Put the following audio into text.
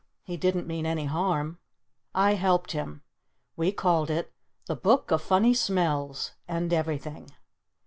He didn't mean any harm. I helped him. We called it "The Book of the Funny Smells and Everything."